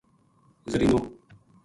زرینو